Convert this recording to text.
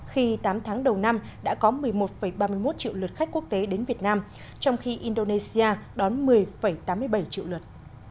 khi tám tháng đầu năm đã có một mươi một ba mươi một triệu lượt khách quốc tế đến việt nam trong khi indonesia đón một mươi tám mươi bảy triệu lượt